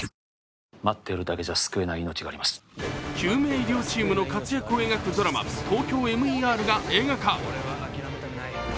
救命医療チームの活躍を描くドラマ「ＴＯＫＹＯＭＥＲ」が映画化。